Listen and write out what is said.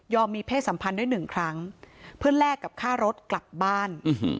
มีเพศสัมพันธ์ด้วยหนึ่งครั้งเพื่อแลกกับค่ารถกลับบ้าน